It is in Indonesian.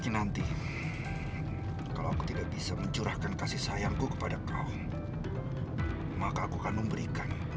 nanti kalau aku tidak bisa mencurahkan kasih sayangku kepada kaum maka aku akan memberikan